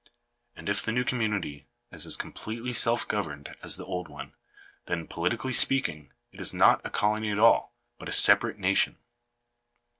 And if the new community is as com pletely self governed as the old one, then, politically speaking, it is not a colony at all, but a separate nation.